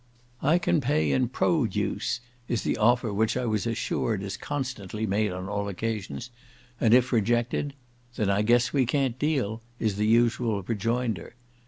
"I can pay in pro duce," is the offer which I was assured is constantly made on all occasions, and if rejected, "Then I guess we can't deal," is the usual rejoinder.